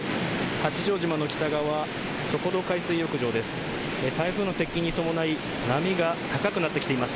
八丈島の北側、底土海水浴場です。